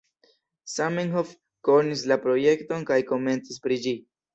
Zamenhof konis la projekton kaj komentis pri ĝi.